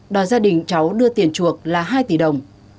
đòi gia đình cháu đưa tiền chuộc là hai tỷ đồng